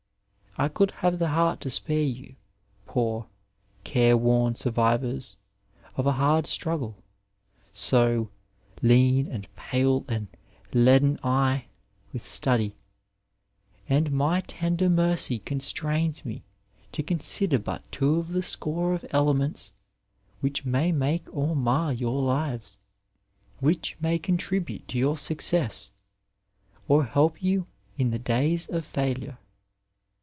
I could have the heart to spare you, poor, careworn survivors of a hard struggle, so " lean and pale and leaden eye '' with study ;" and my tender mercy constrains me to consider but two of the score of elements which may make or mar your lives — ^which may contribute to your success, or help ycm in the days of hilure.